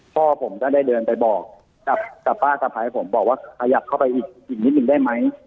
พ่อผมก็ได้เดินไปบอกกับป้าสะพ้ายผมบอกว่าขยับเข้าไปอีกนิดนึงได้ไหม